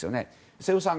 瀬尾さん